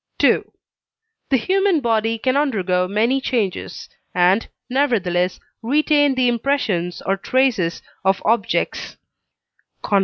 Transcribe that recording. The human body can undergo many changes, and, nevertheless, retain the impressions or traces of objects (cf.